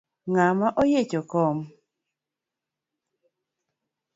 Ngama oyiecho kom?